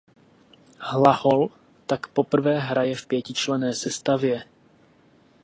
Hlahol tak poprvé hraje v pětičlenné sestavě.